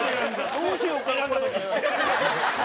「どうしようかなこれ」。